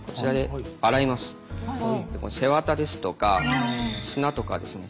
背ワタですとか砂とかですね